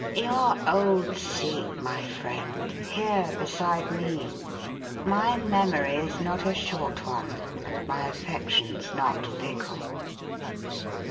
"Your old seat, my friend. Here beside me. My memory is not a short one and my affections not fickle.